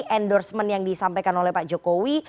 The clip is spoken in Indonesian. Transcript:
endorsement yang disampaikan oleh pak jokowi